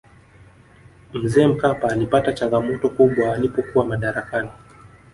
mzee mkapa alipata changamoto kubwa alipokuwa madarakani